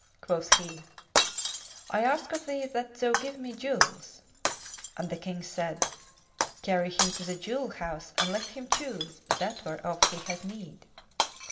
Quoth he, "I ask of thee that thou give me jewels;" and the King said, "Carry him to the jewel house and let him choose that whereof he hath need."